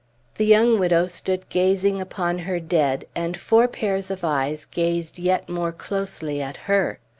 The young widow stood gazing upon her dead, and four pairs of eyes gazed yet more closely at her.